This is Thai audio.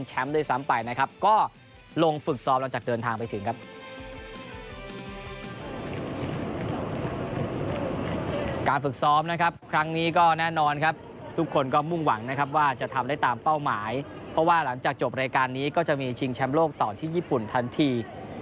หรือว่าหลังจากจบรายการนี้ก็จะมีชิงแชมป์โลกต่อที่ญี่ปุ่นทันที